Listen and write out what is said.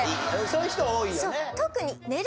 そういう人多いよね。